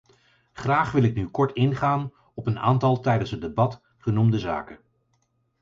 Graag wil ik nu kort ingaan op een aantal tijdens het debat genoemde zaken.